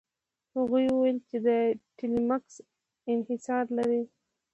هغوی وویل چې ټیلمکس انحصار لري.